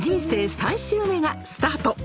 ３周目がスタート